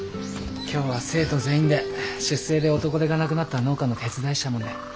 今日は生徒全員で出征で男手がなくなった農家の手伝いしたもんで。